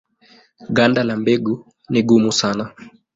Ganda la mbegu ni gumu sana.